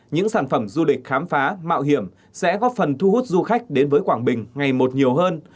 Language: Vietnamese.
những sản phẩm du lịch khám phá mạo hiểm sẽ góp phần thu hút du khách đến với quảng bình ngày một nhiều hơn